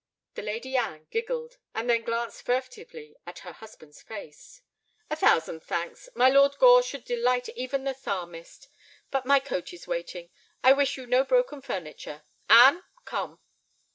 The Lady Anne giggled, and then glanced furtively at her husband's face. "A thousand thanks. My Lord Gore should delight even the psalmist. But my coach is waiting. I wish you no broken furniture. Anne—come."